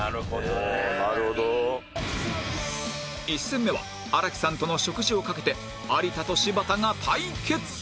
１戦目は新木さんとの食事をかけて有田と柴田が対決